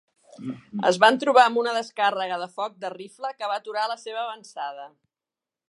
Es van trobar amb una descàrrega de foc de rifle que va aturar la seva avançada.